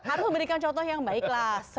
harus memberikan contoh yang baiklah